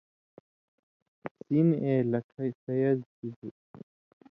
سین اے لکھہ سَیَضرِبُ